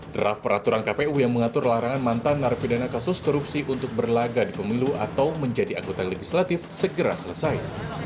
draft peraturan kpu yang mengatur larangan mantan narapidana kasus korupsi untuk berlaga di pemilu atau menjadi anggota legislatif segera selesai